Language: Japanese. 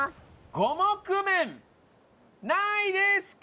五目麺何位ですか？